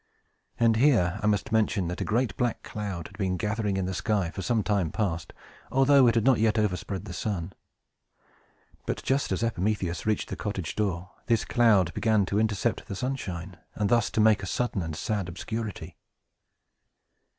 And here I must mention that a great black cloud had been gathering in the sky, for some time past, although it had not yet overspread the sun. But, just as Epimetheus reached the cottage door, this cloud began to intercept the sunshine, and thus to make a sudden and sad obscurity.